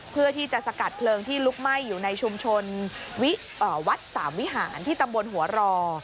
เพื่อที่จะสกัดเพลิงที่ลุกไหม้อยู่ในชุมชนวัดสามวิหารที่ตำบลหัวรอ